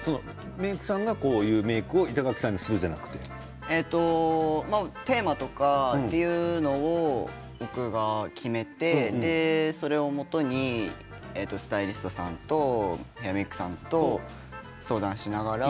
メークさんがこういうメークをしているというわけじゃテーマというものを決めてそれをもとにスタイリストさんとメークさんと相談しながら。